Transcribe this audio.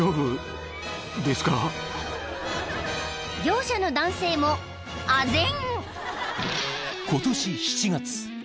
［業者の男性もあ然］